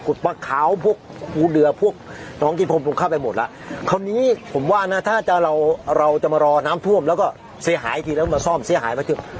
กุฎปะเค้าพวกอูเดือพวกน้องกิจพรมผมเข้าไปหมดแล้วคราวนี้ผมว่านะถ้าเราจะมารอน้ำท่วมแล้วก็เสียหายทีแล้วมาซ่อมเสียหาย